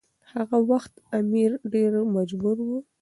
هغه وخت امیر ډیر مجبور و.